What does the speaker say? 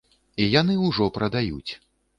І яны ўжо прадаюць.